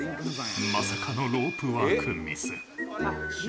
まさかのロープワークミス。